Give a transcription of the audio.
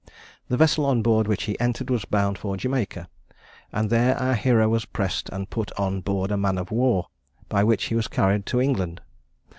The vessel on board which he entered was bound for Jamaica, and there our hero was pressed and put on board a man of war, by which he was carried to England.